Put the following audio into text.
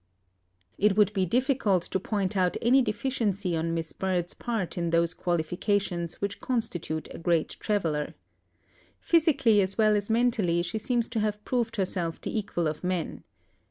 It would be difficult to point out any deficiency on Miss Bird's part in those qualifications which constitute a great traveller. Physically as well as mentally she seems to have proved herself the equal of men.